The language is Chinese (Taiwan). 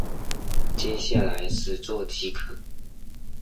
接下來實作即可